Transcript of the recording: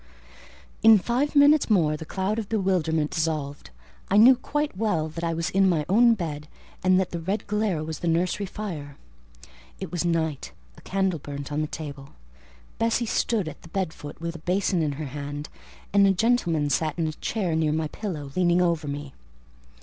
In five minutes more the cloud of bewilderment dissolved: I knew quite well that I was in my own bed, and that the red glare was the nursery fire. It was night: a candle burnt on the table; Bessie stood at the bed foot with a basin in her hand, and a gentleman sat in a chair near my pillow, leaning over me.